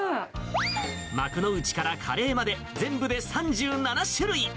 幕の内からカレーまで、全部で３７種類。